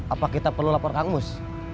apa kita perlu lapor kang mus